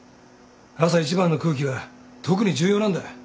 朝一番の空気は特に重要なんだ。